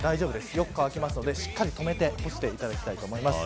よく乾きますのでしっかり止めて干していただきたいと思います。